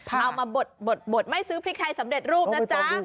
เอามาบดไม่ซื้อพริกไทยสำเร็จรูปนะจ๊ะ